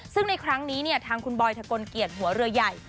ซึ่งในครั้งนี้เนี่ยทางคุณบอยถกลเกียจหัวเรือใหญ่